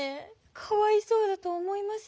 かわいそうだと思いませんか？